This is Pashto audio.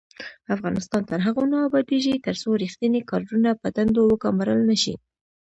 افغانستان تر هغو نه ابادیږي، ترڅو ریښتیني کادرونه په دندو وګمارل نشي.